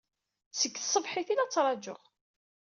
Seg tṣebḥit ay la tt-ttṛajuɣ.